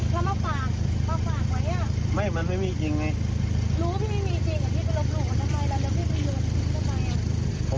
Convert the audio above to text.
เข้ามาปากเข้าปากไหมอ่ะไม่มันไม่มีจริงไหมรู้ที่ไม่มีจริง